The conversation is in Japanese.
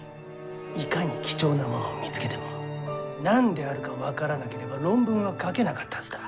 いかに貴重なものを見つけても何であるか分からなければ論文は書けなかったはずだ。